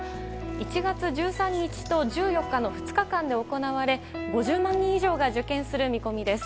１月１３日と１４日の２日間で行われ５０万人以上が受験する見込みです。